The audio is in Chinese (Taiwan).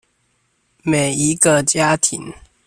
每一個家庭